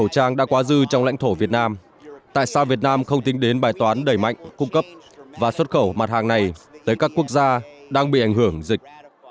chúng ta sẽ đẩy mạnh cung cấp và xuất khẩu mặt hàng này tới các quốc gia đang bị ảnh hưởng dịch